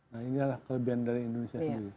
nah ini adalah kelebihan dari indonesia sendiri